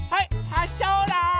はっしゃオーライ！